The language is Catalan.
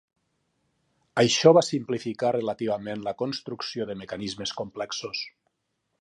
Això va simplificar relativament la construcció de mecanismes complexos.